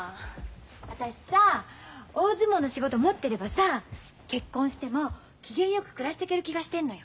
私さ大相撲の仕事持ってればさ結婚しても機嫌よく暮らしてける気がしてんのよ。